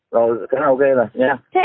rồi cái nào ok rồi